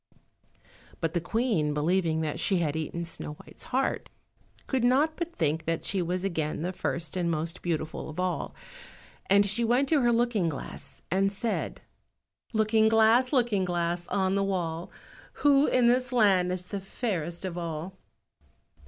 But the Queen, believing that she had eaten Snow white's heart, could not but think that she was again the first and most beautiful of all; and she went to her looking glass and said— "Looking glass, Looking glass, on the wall, Who in this land is the fairest of all?"